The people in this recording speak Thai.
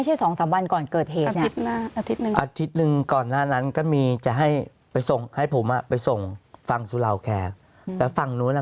เกี่ยวกับหนึ่งสู่วัตรไม่ใช่๒๓วันก่อนเกิดเหตุน้อง